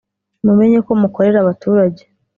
mumenyeko mukorera abaturage